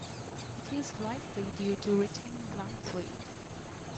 It is likely due to retained lung fluid.